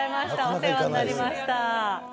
お世話になりました。